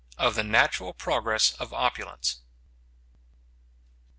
OF THE NATURAL PROGRESS OF OPULENCE.